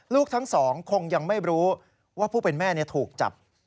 ลูกทั้งสองคงยังไม่รู้ว่าผู้เป็นแม่ถูกจับ